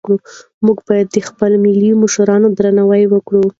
موږ باید د خپلو ملي مشرانو درناوی وکړو.